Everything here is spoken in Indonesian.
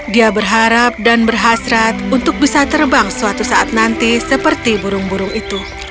dia berharap dan berhasrat untuk bisa terbang suatu saat nanti seperti burung burung itu